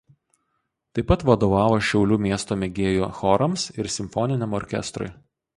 Taip pat vadovavo Šiaulių miesto mėgėjų chorams ir simfoniniam orkestrui.